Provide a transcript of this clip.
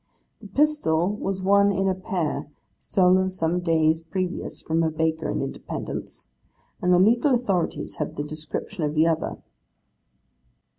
'The pistol was one of a pair stolen some days previous from a baker in Independence, and the legal authorities have the description of the other.